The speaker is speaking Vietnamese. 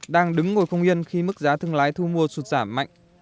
đang đứng ngồi không yên khi mức giá thương lái thu mua sụt giảm mạnh